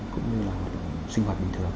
cũng như là sinh hoạt bình thường